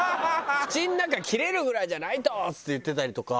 「口の中切れるぐらいじゃないと」っつって言ってたりとか。